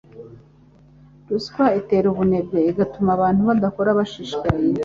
Ruswa itera ubunebwe igatuma abantu badakora bashishikaye